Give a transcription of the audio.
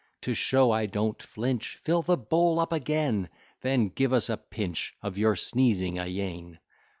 To show I don't flinch, Fill the bowl up again: Then give us a pinch Of your sneezing, a Yean.